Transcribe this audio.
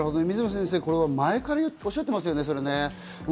水野先生、前からそうおっしゃってますよね。